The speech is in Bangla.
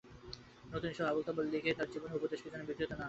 নতুবা এইসব আবোল-তাবোল লিখে তাঁর জীবনী ও উপদেশকে যেন বিকৃত করা না হয়।